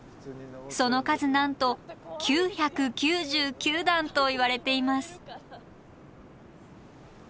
その数なんと９９９段といわれています。